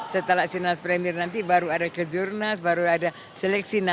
setelah sirnas premier nanti baru ada kejurnas baru ada seleksi